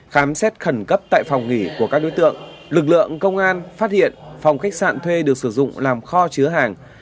khám xét khẩn cấp tại phòng nghỉ của các đối tượng lực lượng công an phát hiện phòng khách sạn thuê được sử dụng làm kho chứa hàng